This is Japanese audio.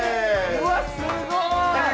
うわっ、すごい。